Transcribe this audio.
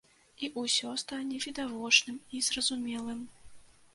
І ўсё стане відавочным і зразумелым.